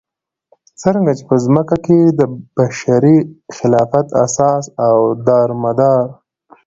څرنګه چې په ځمكه كې دبشري خلافت اساس او دارمدار